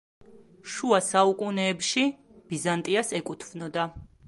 შუა საუკუნეებში ბიზანტიას ეკუთვნოდა.